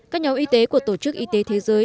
các nhóm y tế của tổ chức y tế thế giới